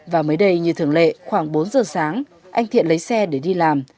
và mới đây như thường lệ khoảng bốn giờ sáng anh thiện lấy xe để đi làm